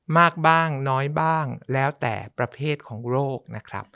มากบ้างน้อยบ้างแล้วแต่ประเภทของโรคนะครับ